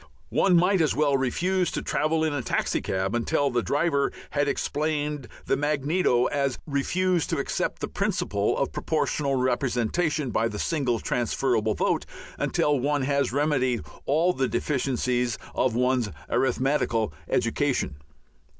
One might as well refuse to travel in a taxicab until the driver had explained the magneto as refuse to accept the principle of Proportional Representation by the single transferable vote until one had remedied all the deficiencies of one's arithmetical education.